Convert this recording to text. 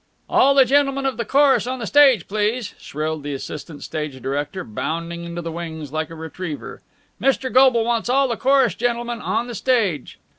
"All the gentlemen of the chorus on the stage, please!" shrilled the assistant stage director, bounding into the wings like a retriever. "Mr. Goble wants all the chorus gentlemen on the stage!"